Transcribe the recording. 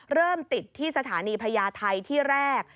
เริ่มติดที่สถานีพญาไทยที่แรก